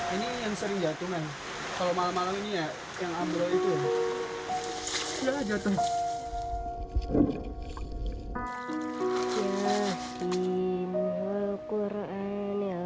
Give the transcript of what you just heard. ini yang sering jatuh kan